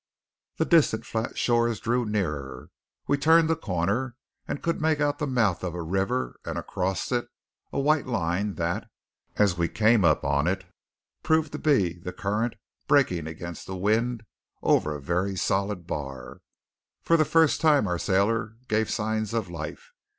The distant flat shores drew nearer. We turned a corner and could make out the mouth of a river, and across it a white line that, as we came up on it, proved to be the current breaking against the wind over a very solid bar. For the first time our sailor gave signs of life.